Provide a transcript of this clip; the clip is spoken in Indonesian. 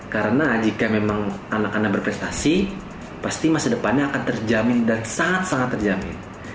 karena jika memang anak anda berprestasi pasti masa depannya akan terjamin dan sangat sangat terjamin